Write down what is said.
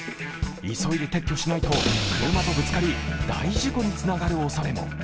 急いで撤去しないと車とぶつかり大事故になる恐れも。